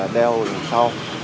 đeo đằng sau